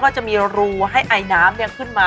ตอนเด็กเราทำอะไรแบบ